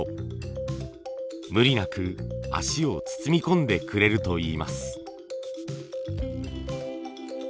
無理なく足を包み込んでくれるといいます。